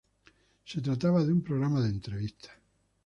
Se trataba de un programa de entrevistas.